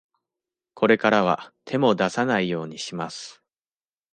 これからは、手も出さないようにします。